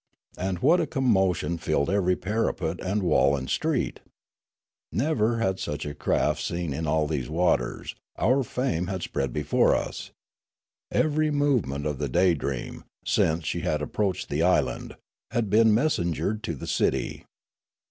And what a commotion filled every parapet and wall and street ! Never had such a craft been seen in these waters; and our fame had spread before us. Every movement of the Day dream, since she had approached the island, had been messengered to the city.